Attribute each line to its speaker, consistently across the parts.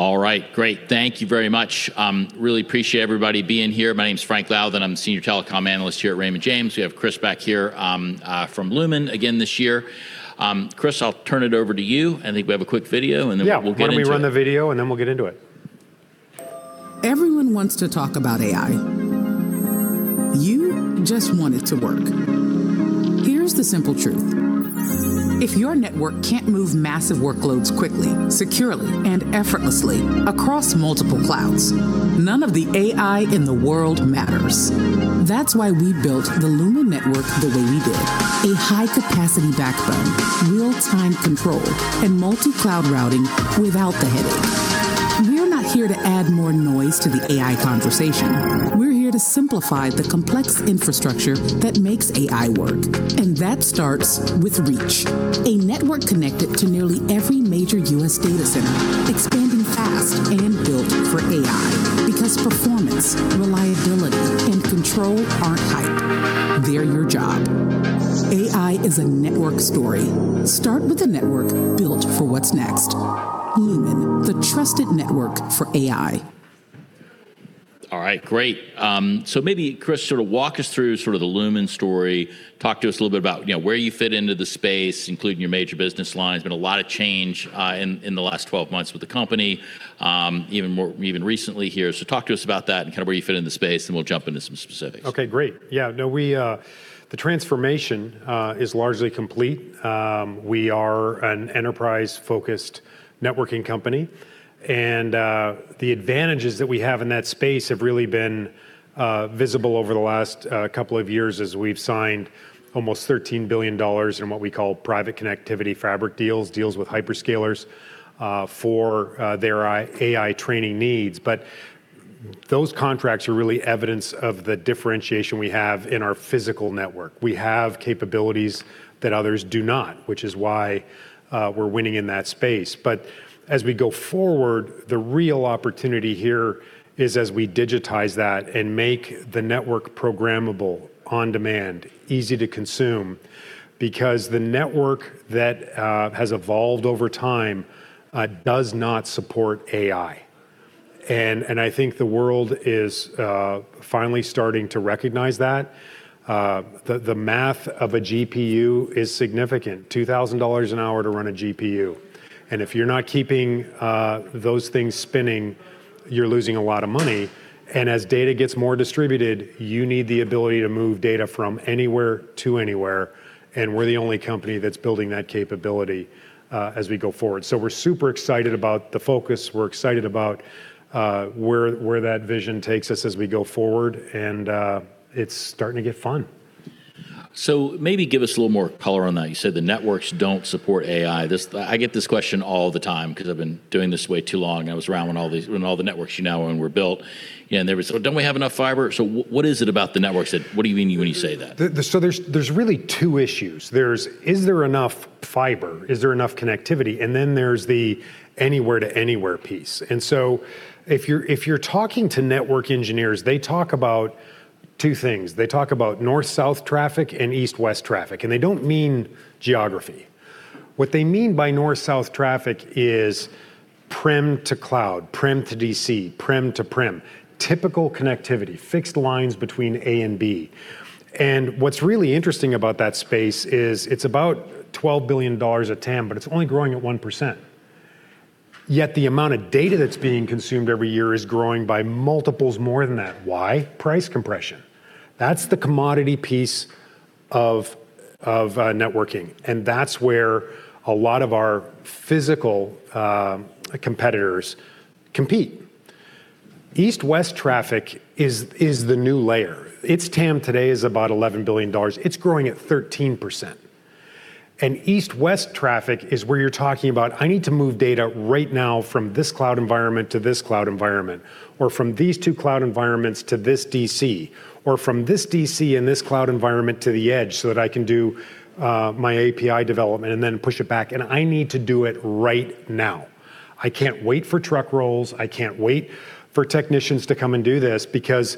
Speaker 1: All right, great. Thank you very much. Really appreciate everybody being here. My name's Frank Louthan, I'm the senior telecom analyst here at Raymond James. We have Chris back here from Lumen again this year. Chris, I'll turn it over to you. I think we have a quick video, we'll get into it.
Speaker 2: Yeah. Why don't we run the video, we'll get into it.
Speaker 3: Everyone wants to talk about AI. You just want it to work. Here's the simple truth. If your network can't move massive workloads quickly, securely, and effortlessly across multiple clouds, none of the AI in the world matters. That's why we built the Lumen network the way we did. A high-capacity backbone, real-time control, multi-cloud routing without the headache. We're not here to add more noise to the AI conversation. We're here to simplify the complex infrastructure that makes AI work, that starts with reach. A network connected to nearly every major U.S. data center, expanding fast and built for AI. Because performance, reliability, and control aren't hype. They're your job. AI is a network story. Start with a network built for what's next. Lumen, the trusted network for AI.
Speaker 1: All right, great. Maybe Chris, sort of walk us through sort of the Lumen story. Talk to us a little bit about where you fit into the space, including your major business lines. Been a lot of change in the last 12 months with the company, even recently here. Talk to us about that kind of where you fit into the space, we'll jump into some specifics.
Speaker 2: Great. The transformation is largely complete. We are an enterprise-focused networking company. The advantages that we have in that space have really been visible over the last couple of years as we've signed almost $13 billion in what we call Private Connectivity Fabric deals with hyperscalers for their AI training needs. Those contracts are really evidence of the differentiation we have in our physical network. We have capabilities that others do not, which is why we're winning in that space. As we go forward, the real opportunity here is as we digitize that and make the network programmable, on demand, easy to consume. The network that has evolved over time does not support AI. I think the world is finally starting to recognize that. The math of a GPU is significant, $2,000 an hour to run a GPU. If you're not keeping those things spinning, you're losing a lot of money. As data gets more distributed, you need the ability to move data from anywhere to anywhere, and we're the only company that's building that capability as we go forward. We're super excited about the focus. We're excited about where that vision takes us as we go forward, and it's starting to get fun.
Speaker 1: Maybe give us a little more color on that. You said the networks don't support AI. I get this question all the time because I've been doing this way too long. I was around when all the networks, you know, were built. There was, "Oh, don't we have enough fiber?" What is it about the networks that, what do you mean when you say that?
Speaker 2: There's really two issues. There's, is there enough fiber, is there enough connectivity? Then there's the anywhere to anywhere piece. If you're talking to network engineers, they talk about two things. They talk about north-south traffic and east-west traffic, and they don't mean geography. What they mean by north-south traffic is prem to cloud, prem to DC, prem to prem. Typical connectivity, private lines between A and B. What's really interesting about that space is it's about $12 billion a TAM, but it's only growing at 1%. The amount of data that's being consumed every year is growing by multiples more than that. Why? Price compression. That's the commodity piece of networking, and that's where a lot of our physical competitors compete. East-west traffic is the new layer. Its TAM today is about $11 billion. It's growing at 13%. East-west traffic is where you're talking about, I need to move data right now from this cloud environment to this cloud environment. Or from these two cloud environments to this DC. Or from this DC and this cloud environment to the edge so that I can do my API development and then push it back, and I need to do it right now. I can't wait for truck rolls. I can't wait for technicians to come and do this because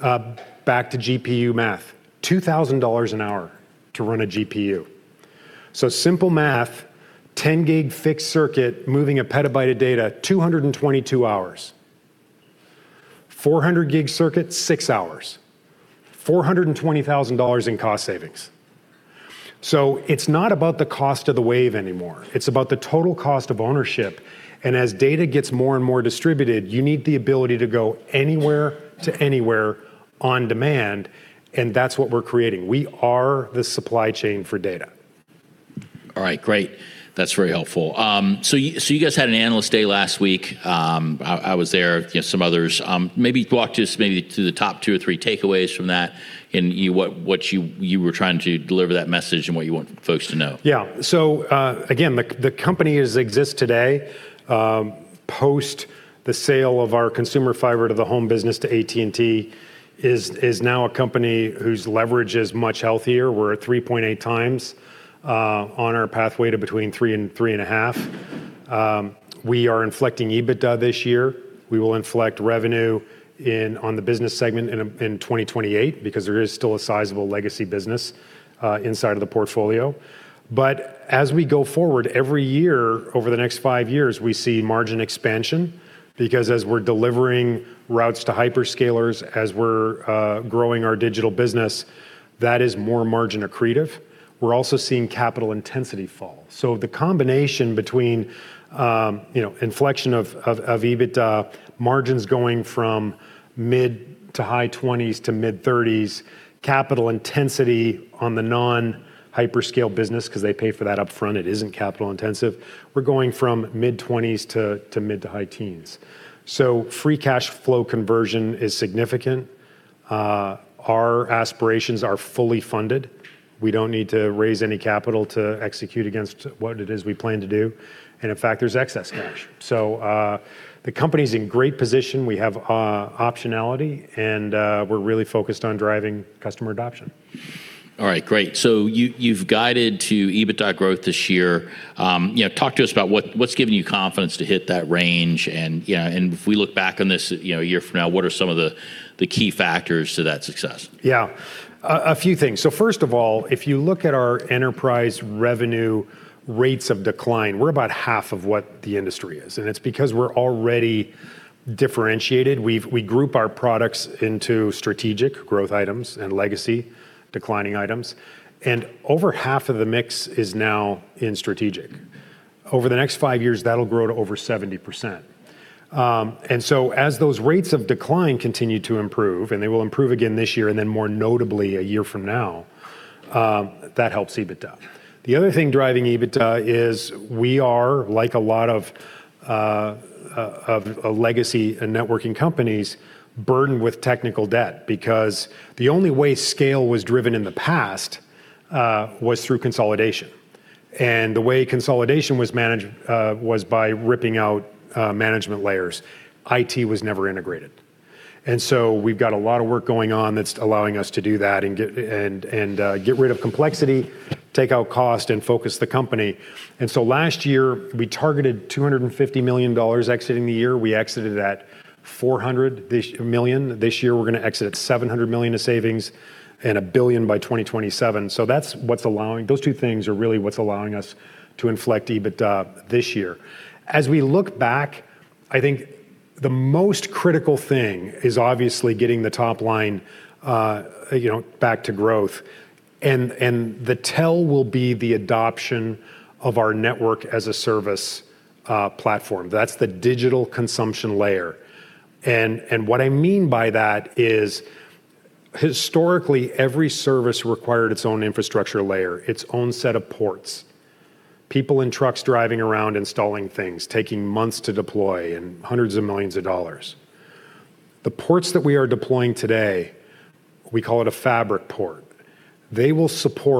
Speaker 2: back to GPU math, $2,000 an hour to run a GPU. Simple math, 10 gig fixed circuit moving a petabyte of data, 222 hours. 400 gig circuit, six hours, $420,000 in cost savings. It's not about the cost of the wave anymore. It's about the total cost of ownership. As data gets more and more distributed, you need the ability to go anywhere to anywhere on demand, and that's what we're creating. We are the supply chain for data.
Speaker 1: All right, great. That's very helpful. You guys had an analyst day last week. I was there, some others. Maybe walk just maybe to the top two or three takeaways from that and what you were trying to deliver that message and what you want folks to know.
Speaker 2: Yeah. Again, the company as it exists today, post the sale of our consumer fiber-to-the-home business to AT&T, is now a company whose leverage is much healthier. We're at 3.8 times on our pathway to between three and three and a half. We are inflecting EBITDA this year. We will inflect revenue on the business segment in 2028 because there is still a sizable legacy business inside of the portfolio. As we go forward every year, over the next five years, we see margin expansion, because as we're delivering routes to hyperscalers, as we're growing our digital business, that is more margin accretive. We're also seeing capital intensity fall. The combination between inflection of EBITDA margins going from mid to high 20s to mid 30s, capital intensity on the non-hyperscale business, because they pay for that upfront, it isn't capital intensive. We're going from mid-20s to mid to high teens. Free cash flow conversion is significant. Our aspirations are fully funded. We don't need to raise any capital to execute against what it is we plan to do, and in fact, there's excess cash. The company's in great position. We have optionality, and we're really focused on driving customer adoption.
Speaker 1: All right, great. You've guided to EBITDA growth this year. Talk to us about what's given you confidence to hit that range, and if we look back on this a year from now, what are some of the key factors to that success?
Speaker 2: Yeah. A few things. First of all, if you look at our enterprise revenue rates of decline, we're about half of what the industry is, and it's because we're already differentiated. We group our products into strategic growth items and legacy declining items. Over half of the mix is now in strategic. Over the next five years, that'll grow to over 70%. As those rates of decline continue to improve, and they will improve again this year and then more notably a year from now, that helps EBITDA. The other thing driving EBITDA is we are, like a lot of legacy and networking companies, burdened with technical debt because the only way scale was driven in the past was through consolidation. The way consolidation was managed was by ripping out management layers. IT was never integrated. We've got a lot of work going on that's allowing us to do that and get rid of complexity, take out cost, and focus the company. Last year, we targeted $250 million exiting the year. We exited at $400 million. This year, we're going to exit at $700 million of savings and $1 billion by 2027. Those two things are really what's allowing us to inflect EBITDA this year. As we look back, I think the most critical thing is obviously getting the top line back to growth, and the tell will be the adoption of our Network-as-a-Service platform. That's the digital consumption layer. What I mean by that is historically, every service required its own infrastructure layer, its own set of ports. People in trucks driving around installing things, taking months to deploy and hundreds of millions of dollars. The ports that we are deploying today, we call it a Lumen Fabric Port. Those services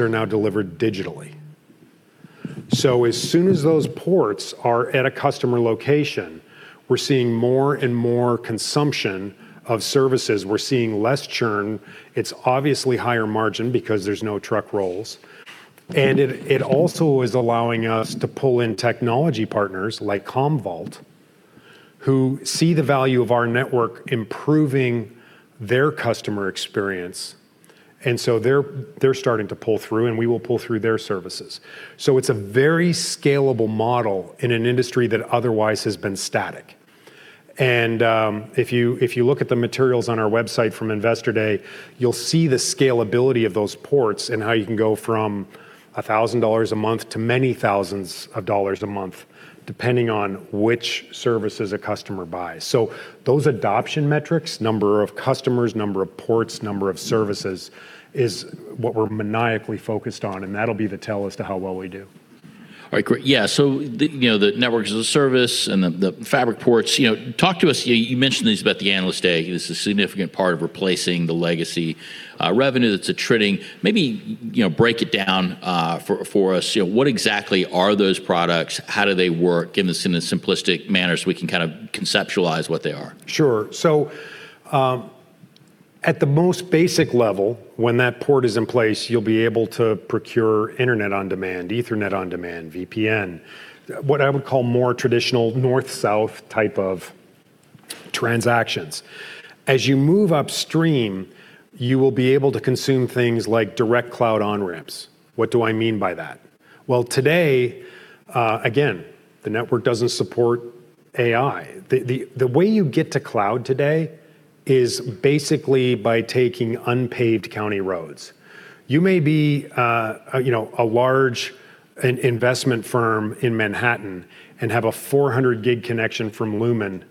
Speaker 2: are now delivered digitally. As soon as those ports are at a customer location, we're seeing more and more consumption of services. We're seeing less churn. It's obviously higher margin because there's no truck rolls. It also is allowing us to pull in technology partners like Commvault, who see the value of our network improving their customer experience. They're starting to pull through, and we will pull through their services. It's a very scalable model in an industry that otherwise has been static. If you look at the materials on our website from Investor Day, you'll see the scalability of those ports and how you can go from $1,000 a month to many thousands of dollars a month, depending on which services a customer buys. Those adoption metrics, number of customers, number of ports, number of services, is what we're maniacally focused on, and that'll be the tell as to how well we do.
Speaker 1: All right, great. The Network-as-a-Service and the Lumen Fabric Ports. Talk to us. You mentioned these about the Analyst Day. This is a significant part of replacing the legacy revenue that's attriting. Maybe break it down for us. What exactly are those products? How do they work? Give this to me in a simplistic manner so we can kind of conceptualize what they are.
Speaker 2: Sure. At the most basic level, when that port is in place, you'll be able to procure internet-on-demand, Ethernet-on-demand, VPN, what I would call more traditional north-south type of transactions. As you move upstream, you will be able to consume things like direct cloud on-ramps. What do I mean by that? Today, again, the network doesn't support AI. The way you get to cloud today is basically by taking unpaved county roads. You may be a large investment firm in Manhattan and have a 400 gig connection from Lumen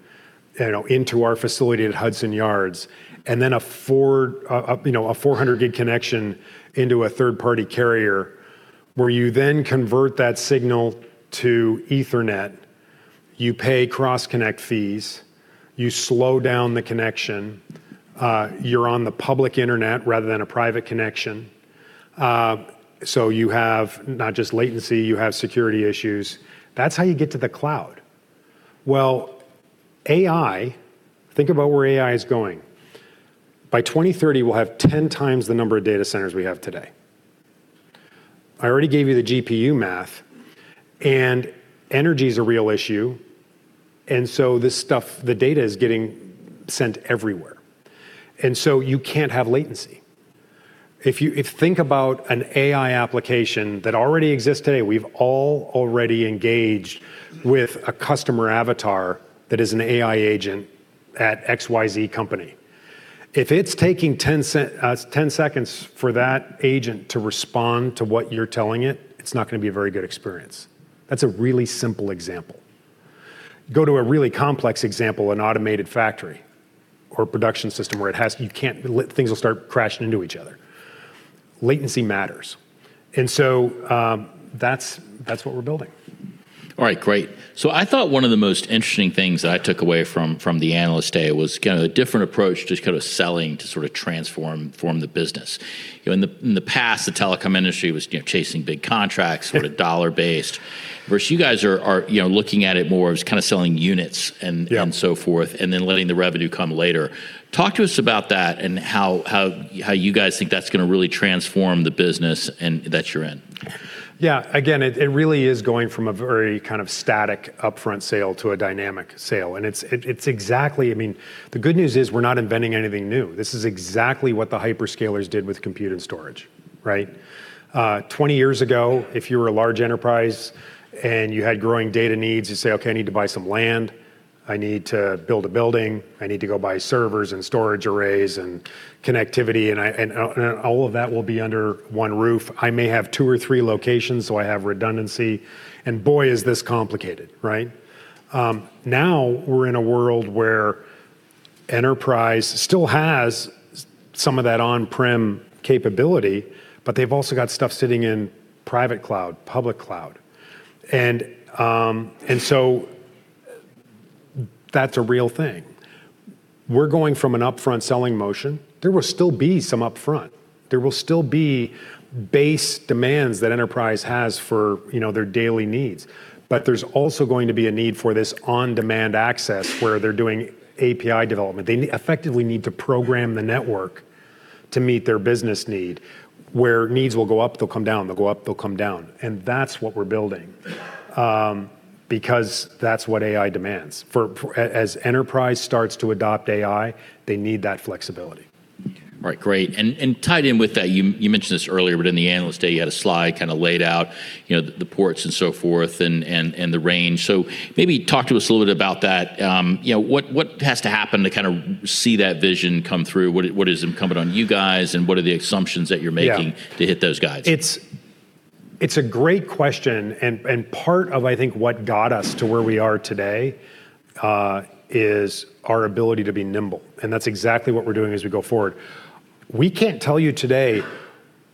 Speaker 2: into our facility at Hudson Yards, a 400 gig connection into a third-party carrier where you then convert that signal to Ethernet. You pay cross-connect fees. You slow down the connection. You're on the public internet rather than a private connection. You have not just latency, you have security issues. That's how you get to the cloud. Well, AI, think about where AI is going. By 2030, we'll have 10 times the number of data centers we have today. I already gave you the GPU math, and energy's a real issue, and so this stuff, the data is getting sent everywhere, and so you can't have latency. If you think about an AI application that already exists today, we've all already engaged with a customer avatar that is an AI agent at XYZ company. If it's taking 10 seconds for that agent to respond to what you're telling it's not going to be a very good experience. That's a really simple example. Go to a really complex example, an automated factory or production system where things will start crashing into each other. Latency matters. That's what we're building.
Speaker 1: All right, great. I thought one of the most interesting things that I took away from the Analyst Day was kind of the different approach to kind of selling to sort of transform the business. In the past, the telecom industry was chasing big contracts-
Speaker 2: Yeah
Speaker 1: sort of dollar based, versus you guys are looking at it more as kind of selling units and-
Speaker 2: Yeah
Speaker 1: and so forth, and then letting the revenue come later. Talk to us about that and how you guys think that's going to really transform the business that you're in.
Speaker 2: Yeah. Again, it really is going from a very kind of static upfront sale to a dynamic sale. The good news is we're not inventing anything new. This is exactly what the hyperscalers did with compute and storage, right? 20 years ago, if you were a large enterprise and you had growing data needs, you'd say, "Okay, I need to buy some land. I need to build a building. I need to go buy servers and storage arrays and connectivity, and all of that will be under one roof. I may have two or three locations, so I have redundancy." Boy, is this complicated. Now, we're in a world where enterprise still has some of that on-prem capability, but they've also got stuff sitting in private cloud, public cloud. That's a real thing. We're going from an upfront selling motion. There will still be some upfront. There will still be base demands that enterprise has for their daily needs. There's also going to be a need for this on-demand access where they're doing API development. They effectively need to program the network to meet their business need, where needs will go up, they'll come down, they'll go up, they'll come down. That's what we're building, because that's what AI demands. As enterprise starts to adopt AI, they need that flexibility.
Speaker 1: All right, great. Tied in with that, you mentioned this earlier, but in the Analyst Day, you had a slide kind of laid out the ports and so forth and the range. Maybe talk to us a little bit about that. What has to happen to kind of see that vision come through? What is incumbent on you guys, and what are the assumptions that you're making-
Speaker 2: Yeah
Speaker 1: to hit those guides?
Speaker 2: It's a great question, part of, I think, what got us to where we are today is our ability to be nimble, and that's exactly what we're doing as we go forward. We can't tell you today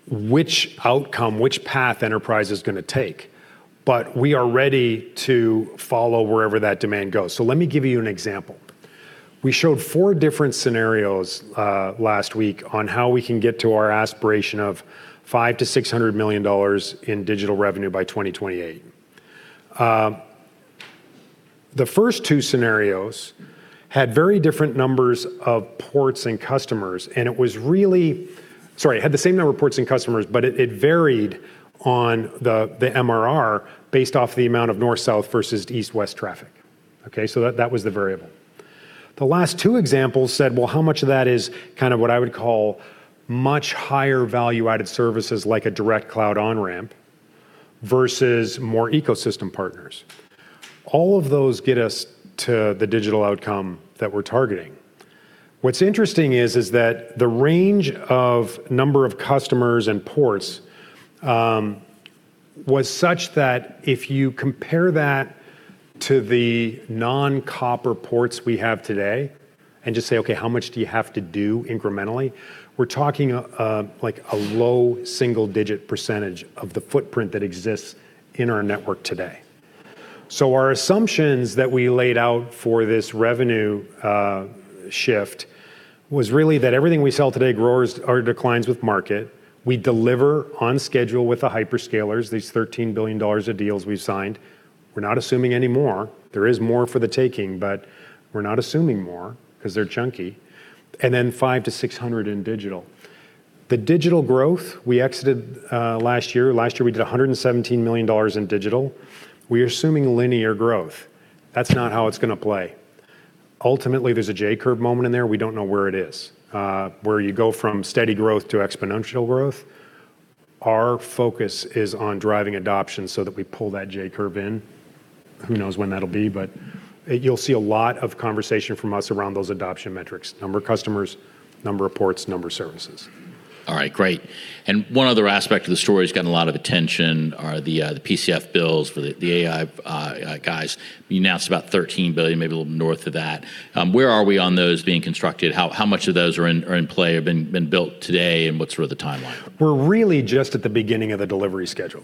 Speaker 2: which outcome, which path enterprise is going to take, but we are ready to follow wherever that demand goes. Let me give you an example. We showed four different scenarios last week on how we can get to our aspiration of $500 million to $600 million in digital revenue by 2028. The first two scenarios had very different numbers of ports and customers. Sorry, it had the same number of ports and customers, but it varied on the MRR based off the amount of north-south versus east-west traffic. Okay? That was the variable. The last two examples said, well, how much of that is kind of what I would call much higher value-added services like a direct cloud on-ramp versus more ecosystem partners? All of those get us to the digital outcome that we're targeting. What's interesting is that the range of number of customers and ports was such that if you compare that to the non-copper ports we have today and just say, "Okay, how much do you have to do incrementally?" We're talking a low single-digit percentage of the footprint that exists in our network today. Our assumptions that we laid out for this revenue shift was really that everything we sell today declines with market. We deliver on schedule with the hyperscalers, these $13 billion of deals we've signed. We're not assuming any more. There is more for the taking, but we're not assuming more because they're chunky. $500 million to $600 million in digital. The digital growth we exited last year, last year we did $117 million in digital. We're assuming linear growth. That's not how it's going to play. Ultimately, there's a J-curve moment in there. We don't know where it is, where you go from steady growth to exponential growth. Our focus is on driving adoption so that we pull that J-curve in. Who knows when that'll be, but you'll see a lot of conversation from us around those adoption metrics, number of customers, number of ports, number of services.
Speaker 1: All right, great. One other aspect of the story that's gotten a lot of attention are the PCF builds for the AI guys. You announced about $13 billion, maybe a little north of that. Where are we on those being constructed? How much of those are in play or been built today, and what's the timeline?
Speaker 2: We're really just at the beginning of the delivery schedule.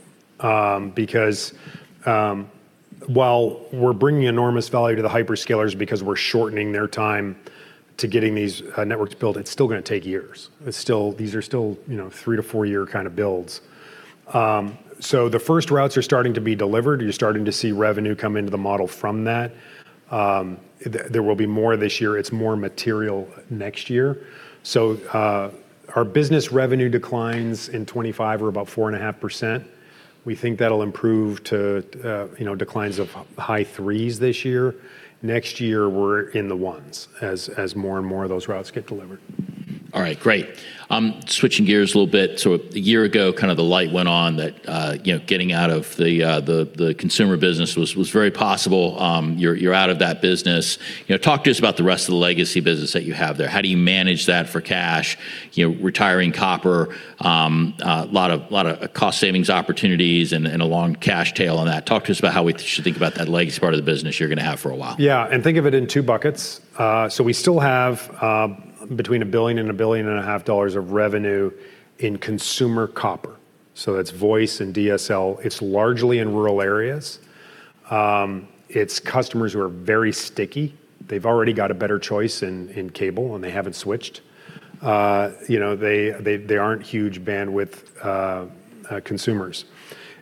Speaker 2: While we're bringing enormous value to the hyperscalers because we're shortening their time to getting these networks built, it's still going to take years. These are still 3 to 4-year kind of builds. The first routes are starting to be delivered. You're starting to see revenue come into the model from that. There will be more this year. It's more material next year. Our business revenue declines in 2025 are about 4.5%. We think that'll improve to declines of high threes this year. Next year, we're in the 1s as more and more of those routes get delivered.
Speaker 1: All right, great. Switching gears a little bit, a year ago, kind of the light went on that getting out of the consumer business was very possible. You're out of that business. Talk to us about the rest of the legacy business that you have there. How do you manage that for cash, retiring copper, a lot of cost savings opportunities, and a long cash tail on that? Talk to us about how we should think about that legacy part of the business you're going to have for a while.
Speaker 2: Yeah. Think of it in two buckets. We still have between $1 billion and $1.5 billion of revenue in consumer copper. That's voice and DSL. It's largely in rural areas. It's customers who are very sticky. They've already got a better choice in cable, and they haven't switched. They aren't huge bandwidth consumers.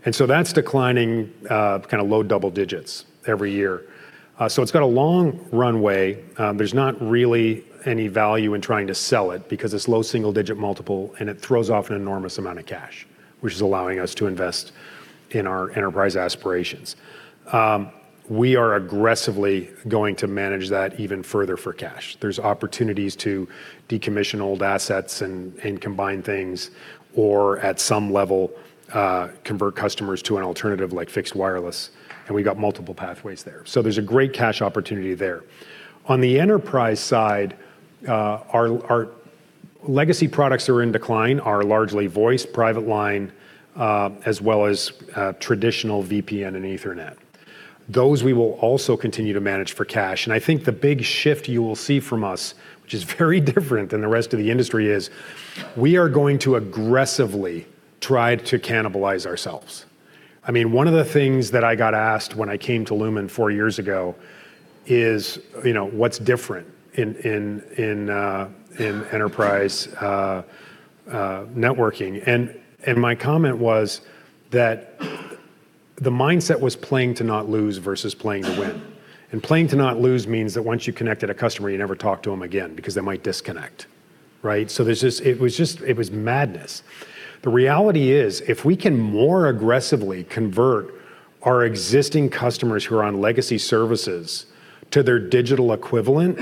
Speaker 2: That's declining kind of low double digits every year. It's got a long runway. There's not really any value in trying to sell it because it's low single-digit multiple, and it throws off an enormous amount of cash, which is allowing us to invest in our enterprise aspirations. We are aggressively going to manage that even further for cash. There's opportunities to decommission old assets and combine things, or at some level, convert customers to an alternative like fixed wireless, we got multiple pathways there. There's a great cash opportunity there. On the enterprise side, our legacy products that are in decline are largely voice, private line, as well as traditional VPN and Ethernet. Those we will also continue to manage for cash, I think the big shift you will see from us, which is very different than the rest of the industry, is we are going to aggressively try to cannibalize ourselves. One of the things that I got asked when I came to Lumen four years ago is what's different in enterprise networking. My comment was that the mindset was playing to not lose versus playing to win. Playing to not lose means that once you connected a customer, you never talk to them again because they might disconnect. Right? It was madness. The reality is, if we can more aggressively convert our existing customers who are on legacy services to their digital equivalent,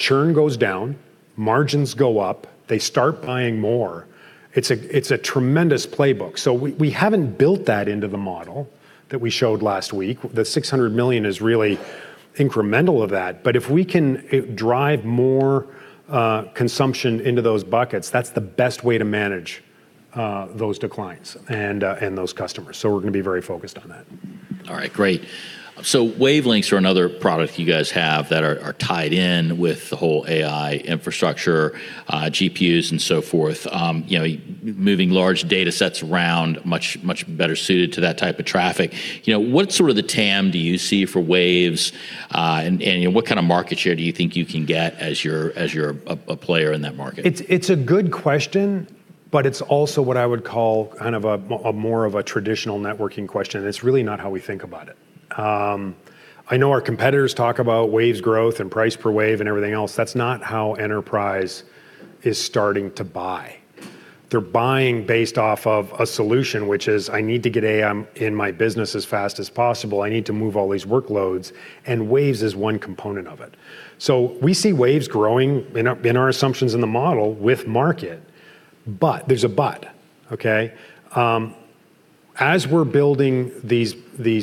Speaker 2: churn goes down, margins go up, they start buying more. It's a tremendous playbook. We haven't built that into the model that we showed last week. The $600 million is really incremental of that. If we can drive more consumption into those buckets, that's the best way to manage those declines and those customers. We're going to be very focused on that.
Speaker 1: All right, great. Wavelengths are another product you guys have that are tied in with the whole AI infrastructure, GPUs, and so forth. Moving large data sets around, much better suited to that type of traffic. What sort of the TAM do you see for waves? What kind of market share do you think you can get as you're a player in that market?
Speaker 2: It's a good question, but it's also what I would call kind of more of a traditional networking question, it's really not how we think about it. I know our competitors talk about waves growth and price per wave and everything else. That's not how enterprise is starting to buy. They're buying based off of a solution, which is, "I need to get AI in my business as fast as possible. I need to move all these workloads," and waves is one component of it. We see waves growing in our assumptions in the model with market, there's a but, okay? As we're building these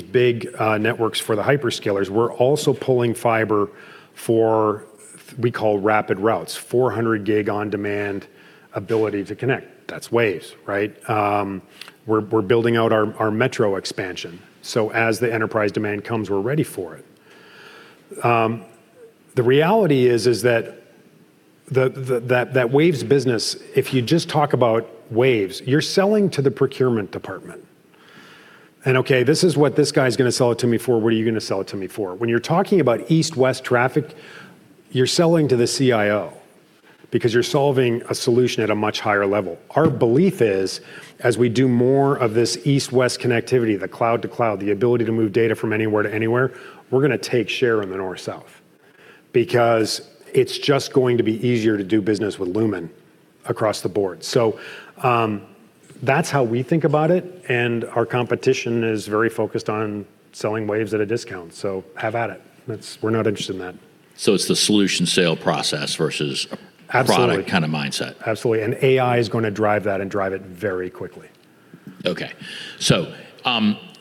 Speaker 2: big networks for the hyperscalers, we're also pulling fiber for, we call RapidRoutes, 400 gig on-demand ability to connect. That's waves, right? We're building out our metro expansion. As the enterprise demand comes, we're ready for it. The reality is that waves business, if you just talk about waves, you're selling to the procurement department. Okay, this is what this guy's going to sell it to me for. What are you going to sell it to me for? When you're talking about east-west traffic, you're selling to the CIO because you're solving a solution at a much higher level. Our belief is, as we do more of this east-west connectivity, the cloud to cloud, the ability to move data from anywhere to anywhere, we're going to take share on the north-south because it's just going to be easier to do business with Lumen across the board. That's how we think about it, our competition is very focused on selling waves at a discount. Have at it. We're not interested in that.
Speaker 1: It's the solution sale process versus
Speaker 2: Absolutely
Speaker 1: product kind of mindset.
Speaker 2: Absolutely. AI is going to drive that and drive it very quickly.
Speaker 1: Okay.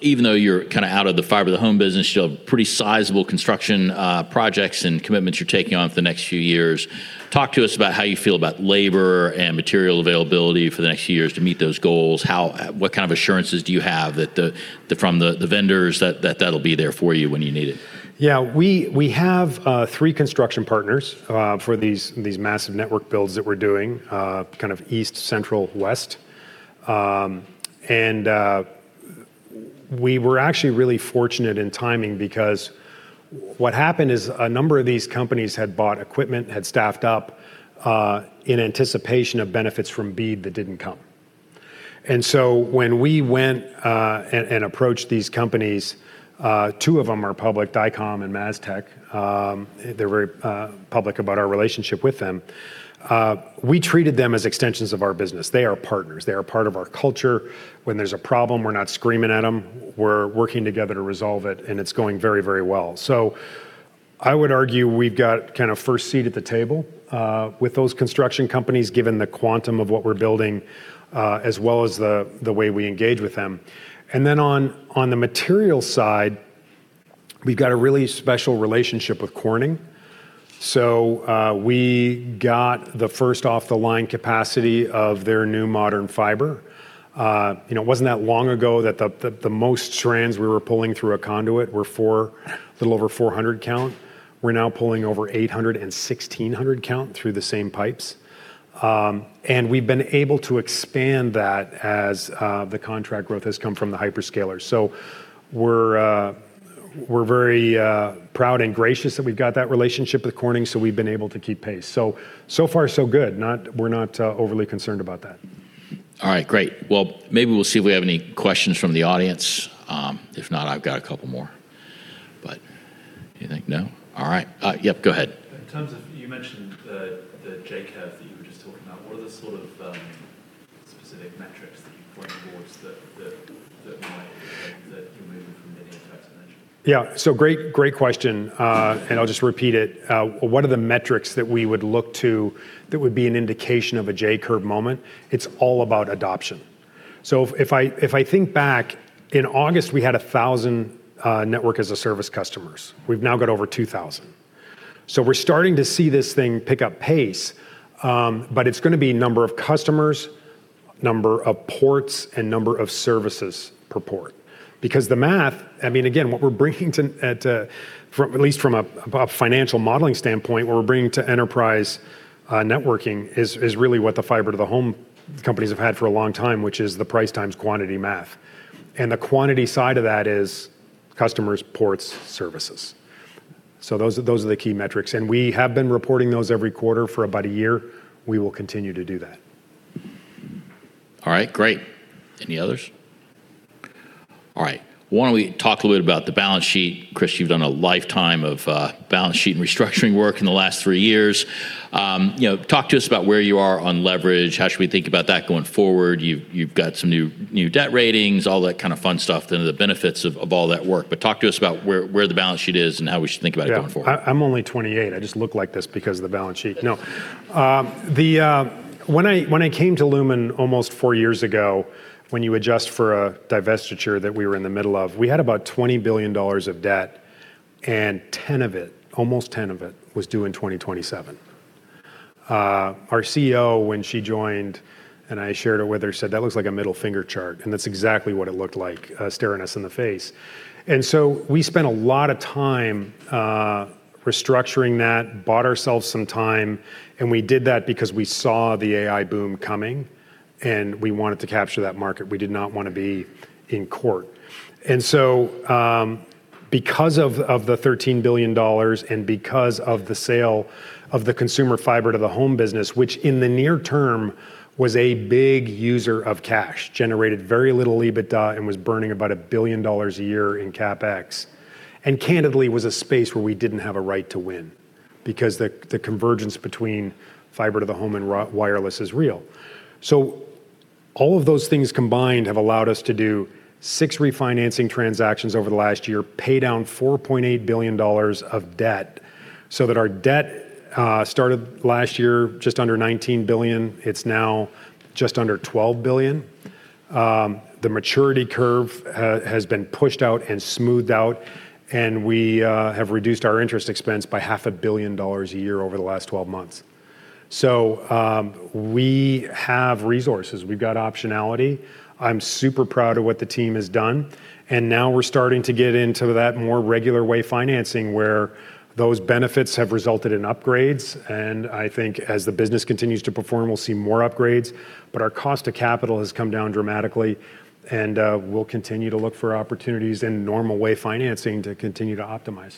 Speaker 1: Even though you're kind of out of the fiber to the home business, you have pretty sizable construction projects and commitments you're taking on for the next few years. Talk to us about how you feel about labor and material availability for the next few years to meet those goals. What kind of assurances do you have from the vendors that that'll be there for you when you need it?
Speaker 2: Yeah. We have three construction partners for these massive network builds that we're doing, kind of east, central, west. We were actually really fortunate in timing because what happened is a number of these companies had bought equipment, had staffed up, in anticipation of benefits from BEAD that didn't come. When we went and approached these companies, two of them are public, Dycom and MasTec. They're very public about our relationship with them. We treated them as extensions of our business. They are partners. They are part of our culture. When there's a problem, we're not screaming at them. We're working together to resolve it, and it's going very, very well. I would argue we've got kind of first seat at the table with those construction companies, given the quantum of what we're building, as well as the way we engage with them. On the material side, we've got a really special relationship with Corning. We got the first off-the-line capacity of their new modern fiber. It wasn't that long ago that the most strands we were pulling through a conduit were a little over 400 count. We're now pulling over 800 and 1,600 count through the same pipes. We've been able to expand that as the contract growth has come from the hyperscalers. We're very proud and gracious that we've got that relationship with Corning, so we've been able to keep pace. So far, so good. We're not overly concerned about that.
Speaker 1: All right, great. Well, maybe we'll see if we have any questions from the audience. If not, I've got a couple more. Do you think no? All right. Yep, go ahead.
Speaker 4: In terms of, you mentioned the J-curve that you were just talking about, what are the sort of specific metrics that you point towards that you're moving from linear to exponential?
Speaker 2: Great question, and I'll just repeat it. What are the metrics that we would look to that would be an indication of a J-curve moment? It's all about adoption. If I think back, in August, we had 1,000 Network-as-a-Service customers. We've now got over 2,000. We're starting to see this thing pick up pace, but it's going to be number of customers, number of ports, and number of services per port. Because the math, again, what we're bringing, at least from a financial modeling standpoint, what we're bringing to enterprise networking is really what the fiber to the home companies have had for a long time, which is the price times quantity math. The quantity side of that is customers, ports, services. Those are the key metrics, and we have been reporting those every quarter for about a year. We will continue to do that.
Speaker 1: All right, great. Any others? All right. Why don't we talk a little bit about the balance sheet? Chris, you've done a lifetime of balance sheet and restructuring work in the last three years. Talk to us about where you are on leverage. How should we think about that going forward? You've got some new debt ratings, all that kind of fun stuff, then the benefits of all that work. Talk to us about where the balance sheet is and how we should think about it going forward.
Speaker 2: Yeah. I'm only 28. I just look like this because of the balance sheet. No. When I came to Lumen almost four years ago, when you adjust for a divestiture that we were in the middle of, we had about $20 billion of debt, and 10 of it, almost 10 of it, was due in 2027. Our CEO, when she joined, and I shared it with her, said, "That looks like a middle finger chart." That's exactly what it looked like staring us in the face. We spent a lot of time restructuring that, bought ourselves some time, and we did that because we saw the AI boom coming, and we wanted to capture that market. We did not want to be in court. Because of the $13 billion and because of the sale of the consumer fiber to the home business, which in the near term was a big user of cash, generated very little EBITDA and was burning about $1 billion a year in CapEx. Candidly, was a space where we didn't have a right to win because the convergence between fiber to the home and wireless is real. All of those things combined have allowed us to do six refinancing transactions over the last year, pay down $4.8 billion of debt, so that our debt, started last year just under $19 billion. It's now just under $12 billion. The maturity curve has been pushed out and smoothed out, and we have reduced our interest expense by half a billion dollars a year over the last 12 months. We have resources. We've got optionality. I'm super proud of what the team has done. Now we're starting to get into that more regular way financing where those benefits have resulted in upgrades. I think as the business continues to perform, we'll see more upgrades. Our cost of capital has come down dramatically, and we'll continue to look for opportunities in normal way financing to continue to optimize.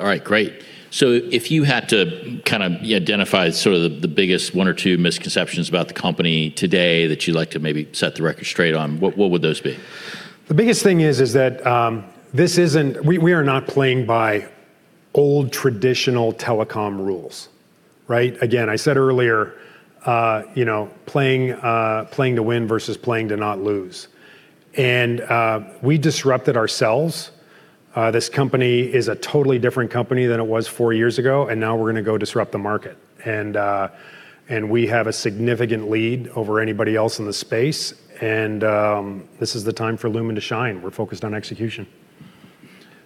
Speaker 1: All right, great. If you had to kind of identify sort of the biggest one or two misconceptions about the company today that you'd like to maybe set the record straight on, what would those be?
Speaker 2: The biggest thing is that we are not playing by old traditional telecom rules, right? Again, I said earlier playing to win versus playing to not lose. We disrupted ourselves. This company is a totally different company than it was four years ago. Now we're going to go disrupt the market. We have a significant lead over anybody else in the space. This is the time for Lumen to shine. We're focused on execution.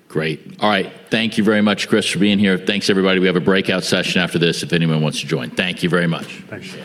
Speaker 1: Great. All right. Thank you very much, Chris, for being here. Thanks, everybody. We have a breakout session after this if anyone wants to join. Thank you very much.
Speaker 2: Thanks.